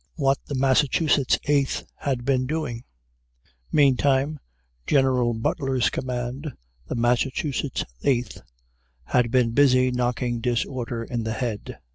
WHAT THE MASSACHUSETTS EIGHTH HAD BEEN DOING MEANTIME General Butler's command, the Massachusetts Eighth, had been busy knocking disorder in the head.